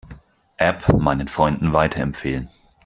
App meinen Freunden weiterempfehlen.